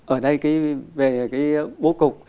ở đây về cái bố cục